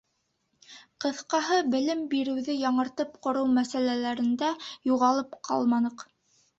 Ҡыҫҡаһы, белем биреүҙе яңыртып ҡороу мәсьәләләрендә юғалып ҡалманыҡ.